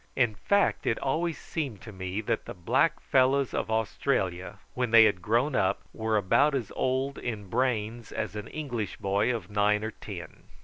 In fact it always seemed to me that the black fellows of Australia, when they had grown up, were about as old in brains as an English boy of nine or ten.